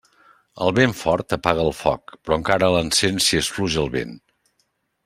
El vent fort apaga el foc, però encara l'encén si és fluix el vent.